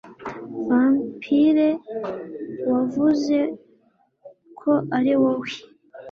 Vampire wavuze ko ariwowe